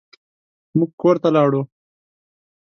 موږ کور ته لاړو.